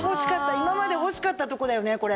今まで欲しかったとこだよねこれ。